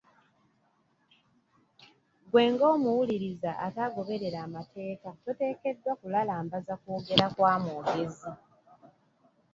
Ggwe ng’omuwuliriza ate agoberera amateeka toteekeddwa kulalambaza kwogera kwa mwogezi.